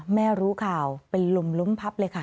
แม่รู้ข่าวเป็นลมล้มพับเลยค่ะ